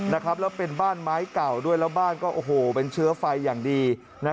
แล้วเป็นบ้านไม้เก่าด้วยแล้วบ้านก็เป็นเชื้อไฟอย่างดี